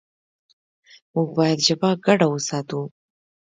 موږ باید ژبه ګډه وساتو.